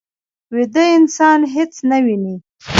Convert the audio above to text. ویده انسان هېڅ نه ویني